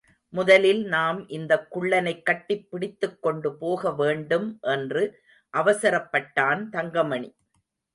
முதலில் நாம் இந்தக் குள்ளனைக் கட்டிப் பிடித்துக்கொண்டு போக வேண்டும் என்று அவசரப்பட்டான் தங்கமணி.